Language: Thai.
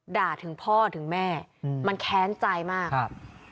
ด่าถึงพ่อถึงแม่อืมมันแค้นใจมากครับ